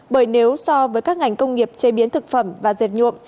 bởi nếu so với các ngành công nghiệp chế biến thực phẩm và dệt nhuộm